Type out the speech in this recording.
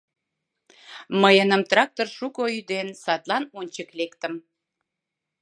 Мыйыным трактор шуко ӱден, садлан ончык лектым...